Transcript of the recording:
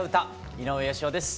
井上芳雄です。